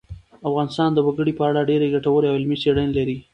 افغانستان د وګړي په اړه ډېرې ګټورې او علمي څېړنې لري.